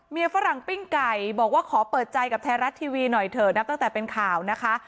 ฝรั่งปิ้งไก่บอกว่าขอเปิดใจกับไทยรัฐทีวีหน่อยเถอะนับตั้งแต่เป็นข่าวนะคะ